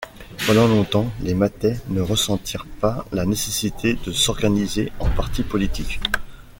Pendant longtemps, les matai ne ressentirent pas la nécessité de s'organiser en partis politiques.